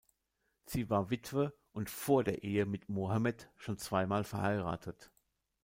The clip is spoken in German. Sie war Witwe und vor der Ehe mit Mohammed schon zweimal verheiratet.